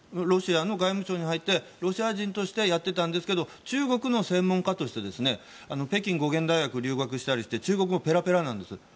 ロシアの外務省に入ってロシア人としてやってたんですが中国の専門家として北京の大学に留学したりして中国語がペラペラなんです。